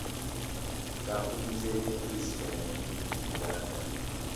Kampuni z'ebyempuliziganya nnyingi mu Uganda.